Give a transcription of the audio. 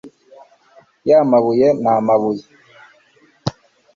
ya mabuye na mabuye